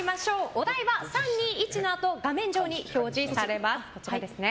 お題は３、２、１のあと画面上に表示されます。